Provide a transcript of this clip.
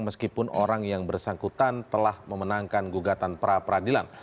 meskipun orang yang bersangkutan telah memenangkan gugatan pra peradilan